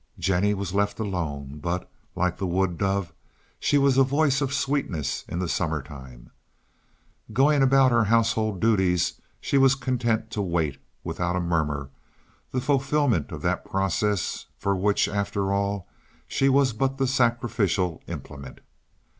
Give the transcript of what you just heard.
Jennie was left alone, but, like the wood dove, she was a voice of sweetness in the summer time. Going about her household duties, she was content to wait, without a murmur, the fulfilment of that process for which, after all, she was but the sacrificial implement.